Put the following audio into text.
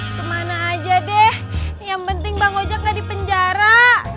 kemana aja deh yang penting bang ojek gak di penjara